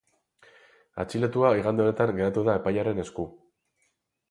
Atxilotua igande honetan geratu da epailearen esku.